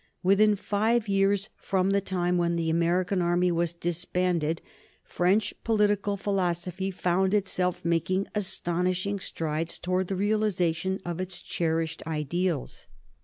Within five years from the time when the American army was disbanded French political philosophy found itself making astonishing strides towards the realization of its cherished ideals.